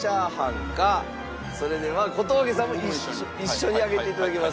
それでは小峠さんも一緒に上げていただきます。